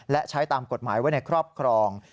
และใช้ตามกฎหมายไว้ในครอบครอง